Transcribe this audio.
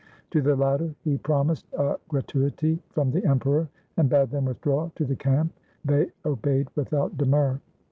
To the latter he promised a gra tuity from the emperor, and bade them withdraw to the camp. They obeyed without demur.